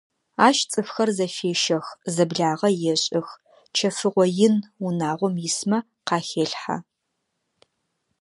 Ащ цӏыфхэр зэфещэх, зэблагъэ ешӏых: чэфыгъо ин унагъом исмэ къахелъхьэ.